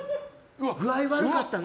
具合悪かったの？